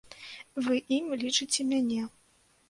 Вы ім лічыце мяне.